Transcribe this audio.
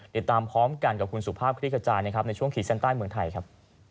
เดี๋ยวตามพร้อมกันกับคุณสุภาพคลิกจาในช่วงขีดเซ็นต้านเมืองไทยครับ